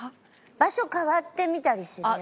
場所変わってみたりする？